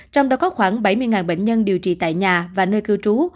trong đó có khoảng bảy mươi bệnh nhân điều trị tại nhà và nơi cư trú